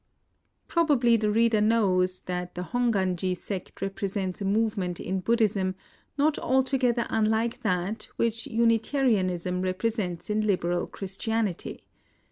Probably the reader knows that the Hong wanji sect represents a movement in Buddhism not altogether unlike that which Unitarianism represents in Liberal Christianity.